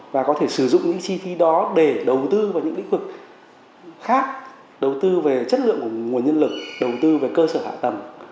và có thể sử dụng những chi phí đó để đầu tư vào những lĩnh vực khác đầu tư về chất lượng của nguồn nhân lực đầu tư về cơ sở hạ tầng